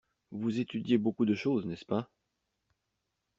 Vous étudiez beaucoup de choses, n’est-ce pas?